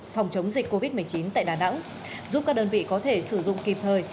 phòng chống dịch covid một mươi chín tại đà nẵng giúp các đơn vị có thể sử dụng kịp thời